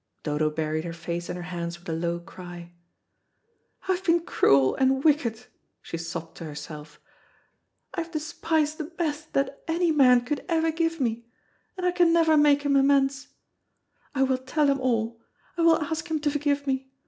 Dodo buried her face in her hands with a low cry. "I have been cruel and wicked," she sobbed to herself. "I have despised the best that any man could ever give me, and I can never make him amends. I will tell him all. I will ask him to forgive me.